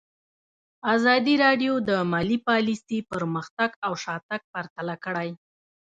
ازادي راډیو د مالي پالیسي پرمختګ او شاتګ پرتله کړی.